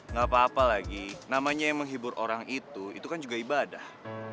nggak apa apa lagi namanya yang menghibur orang itu itu kan juga ibadah